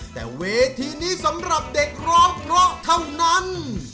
แต่เวทีนี้สำหรับเด็กร้องเพราะเท่านั้น